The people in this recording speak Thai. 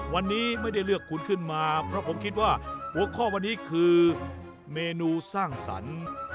วันนี้ไม่ได้เลือกคุณขึ้นมาเพราะผมคิดว่าหัวข้อวันนี้คือเมนูสร้างสรรค์